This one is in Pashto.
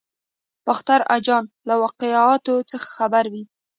باختر اجان له واقعاتو څخه خبر وي.